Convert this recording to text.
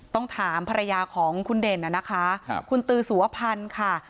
ต้องถามภรรยาของคุณเด่นนะคะคุณตือสุวพันธ์ค่ะ